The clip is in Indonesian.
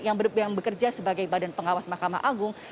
yang bekerja sebagai badan pengawas mahkamah agung